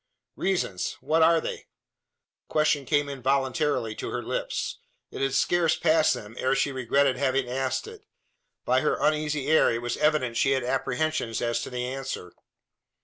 "Reasons! What are they?" The question came involuntarily to her lips. It had scarce passed them, ere she regretted having asked it. By her uneasy air it was evident she had apprehensions as to the answer.